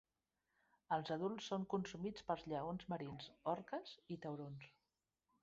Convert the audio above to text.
Els adults són consumits pels lleons marins, orques i taurons.